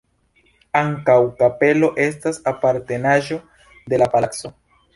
Ankaŭ kapelo estas apartenaĵo de la palaco.